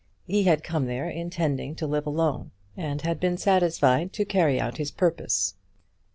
He had come there intending to live alone, and had been satisfied to carry out his purpose.